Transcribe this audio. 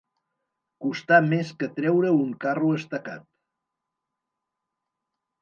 Costar més que treure un carro estacat.